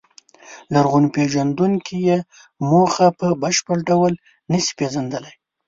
لرغونپېژندونکي یې موخه په بشپړ ډول نهشي پېژندلی.